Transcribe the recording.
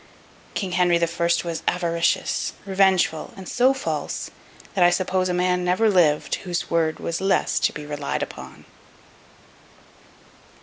King Henry the First was avaricious, revengeful, and so false, that I suppose a man never lived whose word was less to be relied upon.